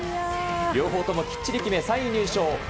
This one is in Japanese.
両方ともきっちり決め、３位入賞。